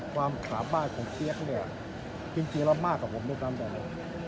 ความสามารถของเปี๊ยกเนี่ยจริงแล้วมากกว่าผมด้วยซ้ำแต่นะ